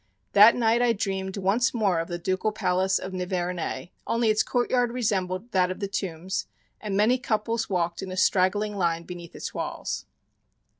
That night I dreamed once more of the ducal palace of Nivernais, only its courtyard resembled that of the Tombs and many couples walked in a straggling line beneath its walls.